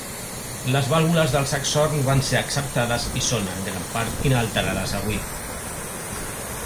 Les vàlvules del saxhorn van ser acceptades i són en gran part inalterades avui.